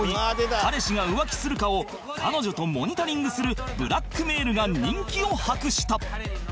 彼氏が浮気するかを彼女とモニタリングするブラックメールが人気を博した